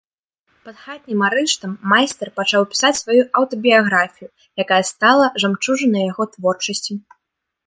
Пад хатнім арыштам майстар пачаў пісаць сваю аўтабіяграфію, якая стала жамчужынай яго творчасці.